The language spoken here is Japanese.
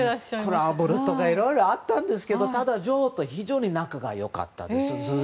トラブルとかいろいろあったんですがただ、女王と非常に仲が良かったんです。